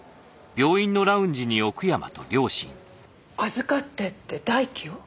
預かってって大輝を？